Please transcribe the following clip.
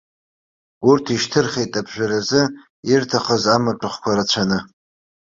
Урҭ ишьҭырхит аԥжәаразы ирҭахыз амаҭәахәқәа рацәаны.